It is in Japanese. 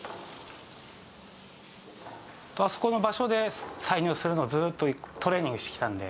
あそこの場所で採尿するのをずっとトレーニングしてきたので。